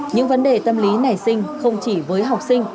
những vấn đề tâm lý nảy sinh không chỉ với học sinh